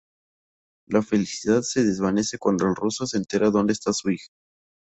La felicidad se desvanece cuando el Ruso se entera donde está su hija.